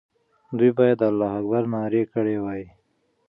دوی باید د الله اکبر ناره کړې وای.